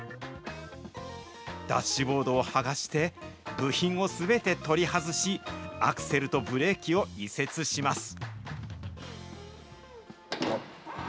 ダッシュボードを剥がして、部品をすべて取り外し、アクセルとブレーキを移設します。